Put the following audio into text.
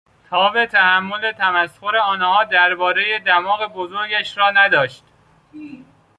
تاب تحمل تمسخر آنها دربارهی دماغ بزرگش را نداشت.